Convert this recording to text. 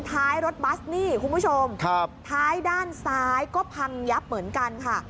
ท้ายรถบัสนี่คุณผู้ชมครับท้ายด้านซ้ายก็พังยับเหมือนกันค่ะ